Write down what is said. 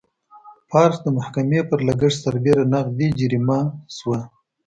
پارکس د محکمې پر لګښت سربېره نغدي جریمه شوه.